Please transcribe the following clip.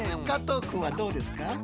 加藤くんはどうですか？